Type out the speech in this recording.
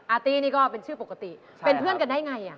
ตี้นี่ก็เป็นชื่อปกติเป็นเพื่อนกันได้ไง